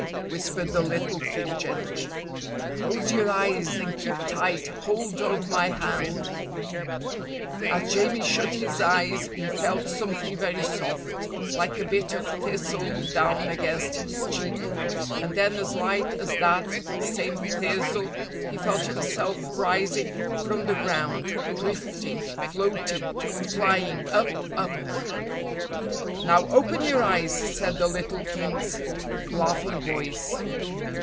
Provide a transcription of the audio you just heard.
whispered the little King gently. "Close your eyes and keep tight hold of my hand." As Jamie shut his eyes he felt something very soft, like a bit of thistle down against his cheek, and then as light as that same thistle he felt himself rising from the ground, drifting, floating, flying, up, up "Now open your eyes," said the little King's laughing voice.